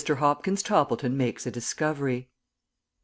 HOPKINS TOPPLETON MAKES A DISCOVERY.